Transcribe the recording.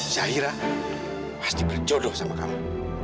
syahira pasti berjodoh sama kamu